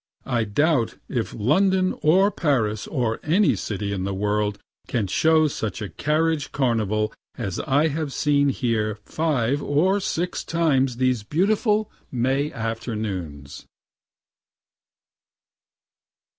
I doubt if London or Paris or any city in the world can show such a carriage carnival as I have seen here five or six times these beautiful May afternoons.